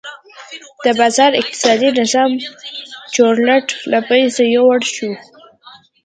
د بازار اقتصادي نظام چورلټ له منځه یووړل شو.